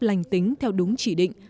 lành tính theo đúng chỉ định